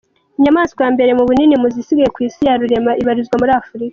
Inyamaswa ya mbere mu bunini mu zisigaye ku isi ya rurema ibarizwa muri Afurika.